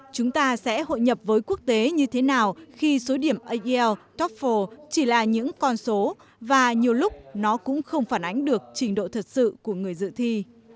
chúng ta sẽ hội nhập với quốc tế như thế nào khi số điểm ael topho chỉ là những con số và nhiều lúc nó cũng không phản ánh được trình độ thật sự của người dự thi